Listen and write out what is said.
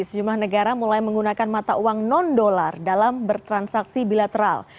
sejumlah negara mulai menggunakan mata uang non dolar dalam bertransaksi bilateral